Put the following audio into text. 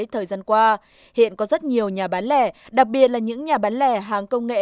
thời gian qua hiện có rất nhiều nhà bán lẻ đặc biệt là những nhà bán lẻ hàng công nghệ